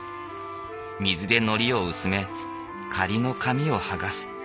水でのりを薄め仮の紙を剥がす。